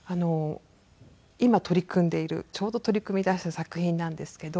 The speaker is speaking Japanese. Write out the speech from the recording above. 今取り組んでいるちょうど取り組みだした作品なんですけど。